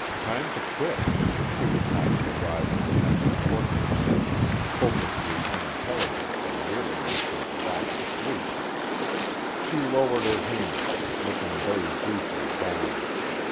Time to quit, if she was not to arrive for the next courtroom session hopelessly unintelligent from weariness and lack of sleep. She lowered her hands, looking very briefly down.